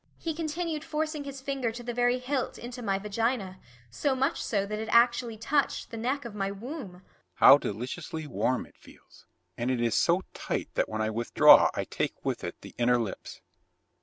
He continued forcing his finger to the very hilt into my vagina, so much so that it actually touched the neck of my womb. "How deliciously warm it feels, and it is so tight that when I withdraw I take with it the inner lips.